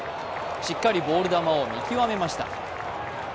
しっかりボール球を見極めました。